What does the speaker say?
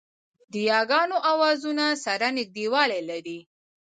د یاګانو آوازونه سره نږدېوالی لري